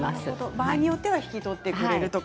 場合によっては引き取ってくれるとか。